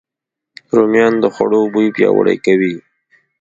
رومیان د خوړو بوی پیاوړی کوي